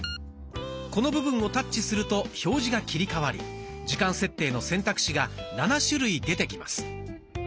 この部分をタッチすると表示が切り替わり時間設定の選択肢が７種類出てきます。